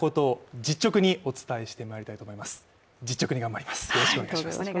実直に頑張ります。